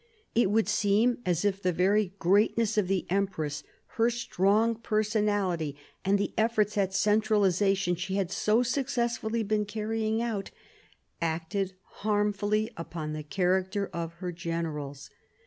It would seem as if the very greatness of the empress, her strong personality, and the efforts at centralisation she had so successfully been carrying out, acted harmfully upon the character of her generals.